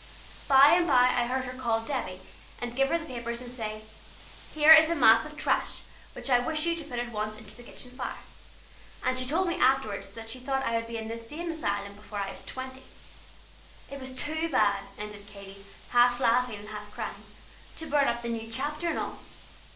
By and by I heard her call Debby, and give her the papers, and say: 'Here is a mass of trash which I wish you to put at once into the kitchen fire.' And she told me afterward that she thought I would be in an insane asylum before I was twenty. It was too bad," ended Katy half laughing and half crying, "to burn up the new chapter and all.